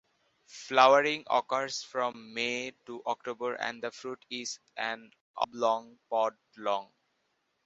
Flowering occurs from May to October and the fruit is an oblong pod long.